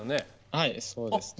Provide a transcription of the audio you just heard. はい、そうですね。